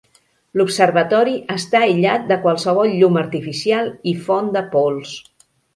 L'observatori està aïllat de qualsevol llum artificial i font de pols.